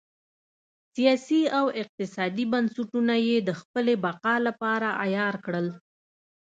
سیاسي او اقتصادي بنسټونه یې د خپلې بقا لپاره عیار کړل.